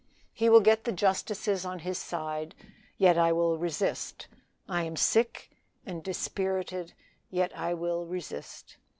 He will get the justices on his side yet I will resist. I am sick and dispirited yet I will resist.